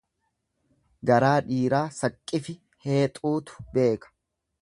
Garaa dhiiraa saqqifi heexuutu beeka.